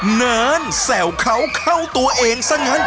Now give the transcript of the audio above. เนินแสวเขาเข้าตัวเองซะงั้น